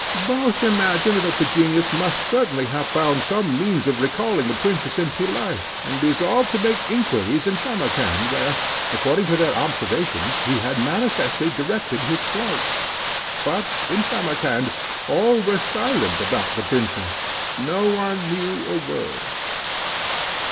Both imagined that the genius must certainly have found some means of recalling the princess into life, and resolved to make inquiries in Samarcand, where, according to their observations, he had manifestly directed his flight. But in Samarcand all were silent about the princess; no one knew a word.